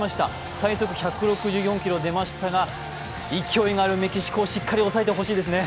最速１６４キロ出ましたが、勢いのあるメキシコをしっかり抑えてほしいですね。